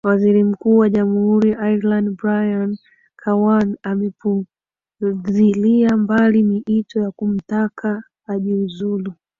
waziri mkuu wa jamhuri ireland brian kawan amepuzilia mbali miito ya kumtaka ajiuzulu